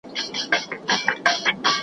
دفترونه د کار چاپېریال برابروي.